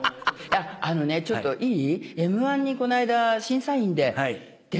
あのねちょっといい？